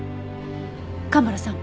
蒲原さん